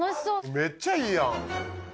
めっちゃいいやん。